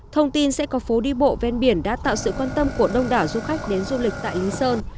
thông tin sẽ có phố đi bộ ven biển đã tạo sự quan tâm của đông đảo du khách đến du lịch tại lý sơn